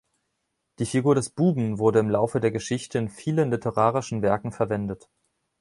Die Figur des Buben wurde im Laufe der Geschichte in vielen literarischen Werken verwendet.